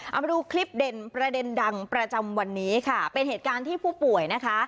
เอามาดูคลิปเด่นประเด็นดังประจำวันนี้ค่ะเป็นเหตุการณ์ที่ผู้ป่วยนะคะ